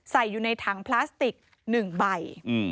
ใส่อยู่ในถังพลาสติก๑ใบ